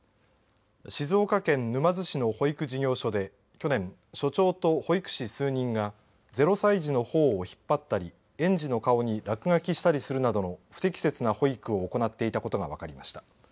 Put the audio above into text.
静岡県沼津市の保育事業所で去年、所長と保育士数人が０歳児のほおを引っ張ったり園児の顔に落書きしたりするなどの不適切な保育を行っていたことが分かりました。